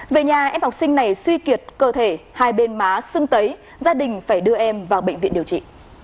về nhà em học sinh này suy kiệt cơ thể hai bên má sưng tấy gia đình phải đưa em vào bệnh viện điều trị